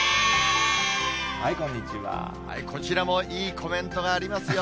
こちらもいいコメントがありますよ。